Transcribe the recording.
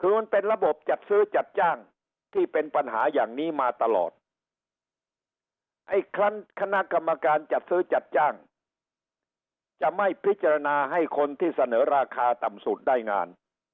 คือมันเป็นระบบจัดซื้อจัดจ้างที่เป็นปัญหาอย่างนี้มาตลอดไอ้คณะกรรมการจัดซื้อจัดจ้างจะไม่พิจารณาให้คนที่เสนอราคาต่ำสุดได้งาน